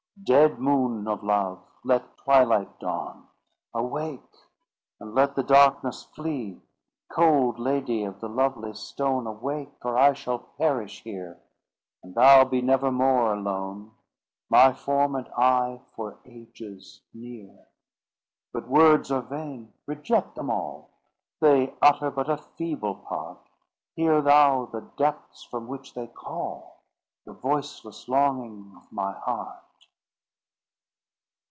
Dead moon of love! let twilight dawn: Awake! and let the darkness flee. "Cold lady of the lovely stone! Awake! or I shall perish here; And thou be never more alone, My form and I for ages near. "But words are vain; reject them all— They utter but a feeble part: Hear thou the depths from which they call, The voiceless longing of my heart."